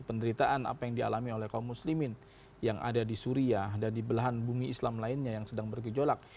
penderitaan apa yang dialami oleh kaum muslimin yang ada di suriah dan di belahan bumi islam lainnya yang sedang bergejolak